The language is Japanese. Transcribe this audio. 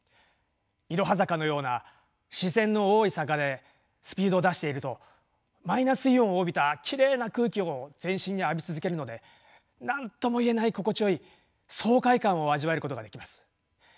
いろは坂のような自然の多い坂でスピードを出しているとマイナスイオンを帯びたきれいな空気を全身に浴び続けるので何とも言えない心地よい爽快感を味わえることができます。